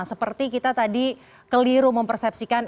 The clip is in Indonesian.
seperti kita tadi keliru mempersepsikan